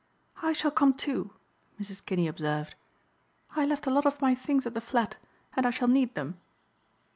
"I shall come too," Mrs. Kinney observed. "I left a lot of my things at the flat and I shall need them."